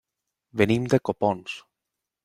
Venim de Copons.